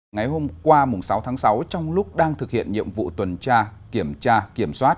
ngày hôm qua sáu tháng sáu trong lúc đang thực hiện nhiệm vụ tuần tra kiểm tra kiểm soát